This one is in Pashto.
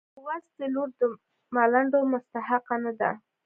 لوستې لور د ملنډو مستحقه نه ده.